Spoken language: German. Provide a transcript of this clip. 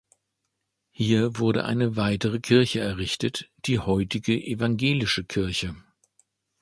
Hier wurde eine weitere Kirche errichtet, die heutige evangelische Kirche.